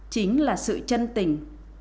chính là sự chân tình